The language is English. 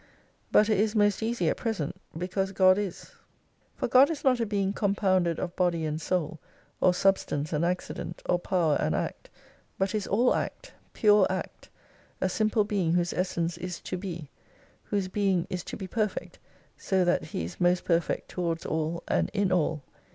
But it is most easy at present, because God is. For 207 God is not a being compounded of body and soul, or substance and accident, or power and act, but is all act, pure act, a Simple Being whose essence is to be, whose Being is to be perfect so that He is most perfect towards all and in all.